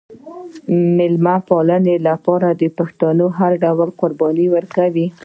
د میلمه پالنې لپاره پښتون هر ډول قرباني ورکوي.